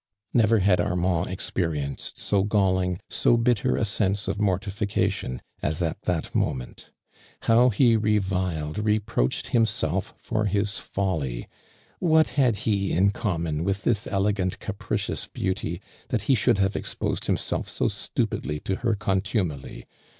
Never had Armand experienced so gall ing, so bitter a sense of mortification as it that moment. How he reviled, reproached himself for his folly. What had he in com mon with this elegant, capricious beauty, that he should have exposed himself so stupidly to her contumely?